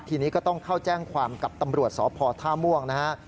ทีนี้ก็ต้องเข้าแจ้งความกับตำรวจสพท่าม่วงนะฮะ